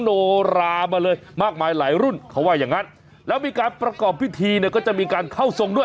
โนรามาเลยมากมายหลายรุ่นเขาว่าอย่างงั้นแล้วมีการประกอบพิธีเนี่ยก็จะมีการเข้าทรงด้วย